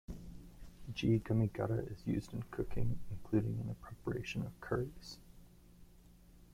"G. gummi-gutta" is used in cooking, including in the preparation of curries.